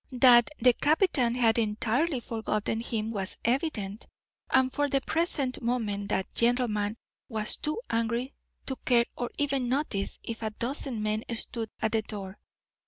That the captain had entirely forgotten him was evident, and for the present moment that gentleman was too angry to care or even notice if a dozen men stood at the door.